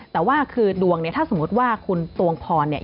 แต่ว่าคือดวงเนี่ยถ้าสมมุติว่าคุณตวงพรเนี่ย